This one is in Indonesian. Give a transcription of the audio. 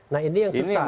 nah ini yang susah